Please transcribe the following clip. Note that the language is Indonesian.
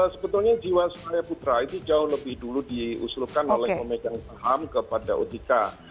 sebetulnya jiwasraya putra itu jauh lebih dulu diusulkan oleh memegang saham kepada ojk